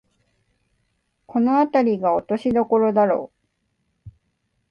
このあたりが落としどころだろう